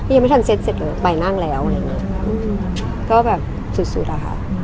ยังไม่ทันเซตเสร็จเลยไปนั่งแล้วก็แบบสุดอะค่ะ